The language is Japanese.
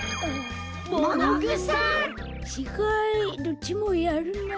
どっちもやるな。